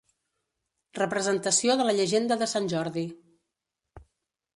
Representació de la llegenda de Sant Jordi.